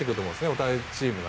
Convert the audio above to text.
お互い、チームが。